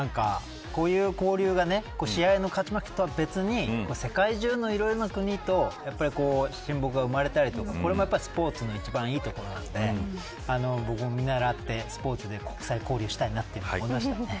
こういう交流が試合の勝ち負けとは別に世界中のいろいろな国と親睦が生まれたりとかスポーツの一番いいところなので僕も見習ってスポーツで国際交流したいなと思いました。